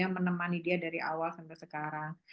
menemani dia dari awal sampai sekarang